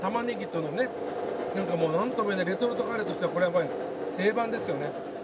なんかもうなんとも言えないレトルトカレーとしてはこれやっぱり定番ですよね。